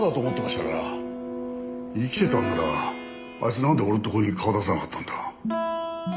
生きてたんならあいつなんで俺のところに顔出さなかったんだ。